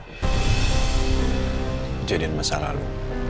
kejadian masa lalu